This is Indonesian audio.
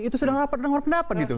itu sedang rapat rapat pendapat